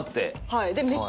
はい。